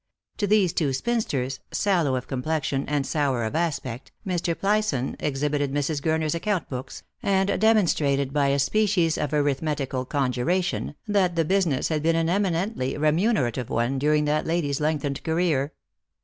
To these two spinsters, sallow of com plexion and sour of aspect, Mr. Plyson exhibited Mrs. Gurner's account books, and demonstrated by a species of arithmetical conjuration that the business had been an eminently remunera tive one during that lady's lengthened career.